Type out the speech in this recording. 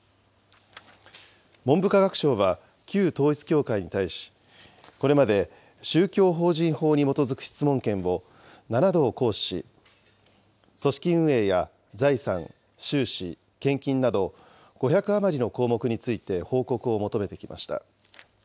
文部科学省は、旧統一教会に対し、これまで宗教法人法に基づく質問権を７度行使し、組織運営や財産・収支・献金など、５００余りの項目について報告を求めてきました。